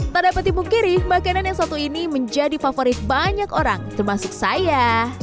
tak dapat dipungkiri makanan yang satu ini menjadi favorit banyak orang termasuk saya